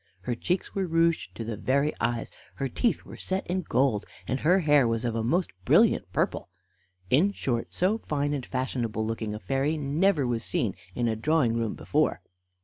Her cheeks were rouged to the very eyes, her teeth were set in gold, and her hair was of a most brilliant purple; in short, so fine and fashionable looking a fairy never was seen in a drawing room before.